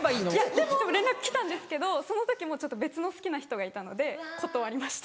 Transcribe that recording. でも連絡来たんですけどその時もうちょっと別の好きな人がいたので断りました。